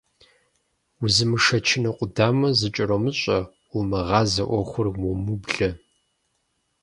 Узымышэчыну къудамэм зыкӀэромыщӀэ, умыгъазэ Ӏуэхур умыублэ.